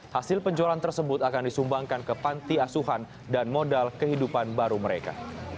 hasil penjualan tersebut akan disumbangkan ke panti asuhan dan modal kehidupan baru mereka